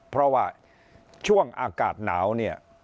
เพราะว่าช่วงอากาศหนาวเนี่ย